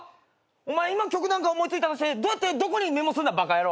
お前今曲なんか思い付いたらどうやってどこにメモすんだバカ野郎。